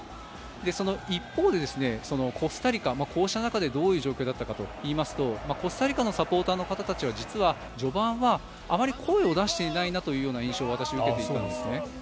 その一方でコスタリカどういう状況だったかというとコスタリカのサポーターの方たちは実は序盤はあまり声を出していないなという印象を私は受けていたんですね。